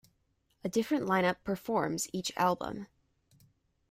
A different lineup performs each album.